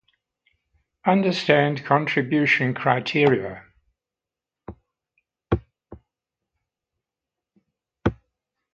The neighborhood of Anfa is the most upper-class and westernized in the city.